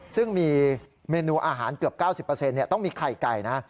ซึ่งมีเมนูอาหารเกือบ๙๐ต้องมีไข่ไก่นะ